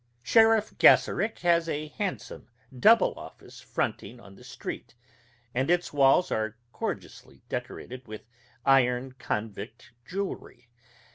Sheriff Gasheric has a handsome double office fronting on the street, and its walls are gorgeously decorated with iron convict jewelry.